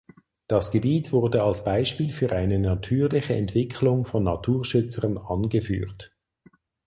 Das Gebiet wurde als Beispiel für eine natürliche Entwicklung von Naturschützern angeführt.